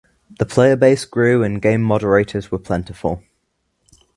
The player base grew and game moderators were plentiful.